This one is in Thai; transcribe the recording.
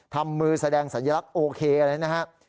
ทำมือแสดงสัญลักษณ์โอเคอะไรนะครับ